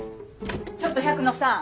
ちょっと百野さん